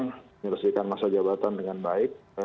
menyelesaikan masa jabatan dengan baik